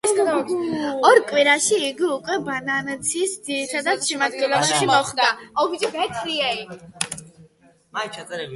ორ კვირაში იგი უკვე ბანანცის ძირითად შემადგენლობაში მოხვდა.